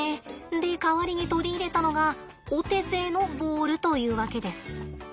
で代わりに取り入れたのがお手製のボールというわけです。